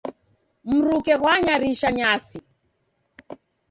Mruke ghwanyarisha nyasi.